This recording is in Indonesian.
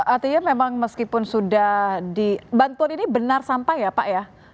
artinya memang meskipun sudah dibantuan ini benar sampai ya pak ya